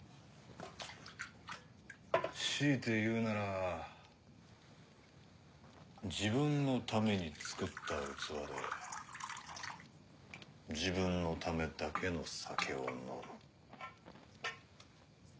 強いて言うなら自分のために作った器で自分のためだけの酒を飲む。